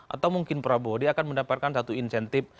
atau mungkin prabowo dia akan mendapatkan satu insentif